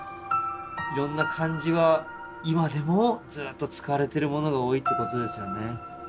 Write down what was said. いろんな漢字は今でもずっと使われてるものが多いってことですよね。